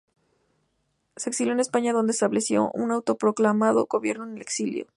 Se exilió en España, donde estableció un autoproclamado gobierno en el exilio.